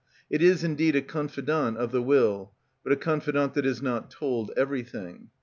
It is indeed a confidant of the will, but a confidant that is not told everything.